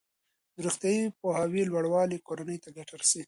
د روغتیايي پوهاوي لوړوالی کورنۍ ته ګټه رسوي.